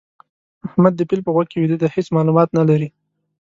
احمد د پيل په غوږ کې ويده دی؛ هيڅ مالومات نه لري.